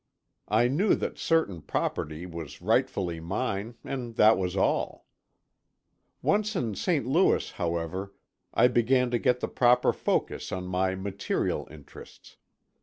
I knew that certain property was rightfully mine, and that was all. Once in St. Louis, however, I began to get the proper focus on my material interests.